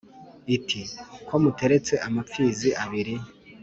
iti "ko muteretse amapfizi abiri,